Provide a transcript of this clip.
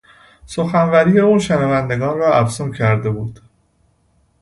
سخنوری او شنوندگان را افسون کرده بود.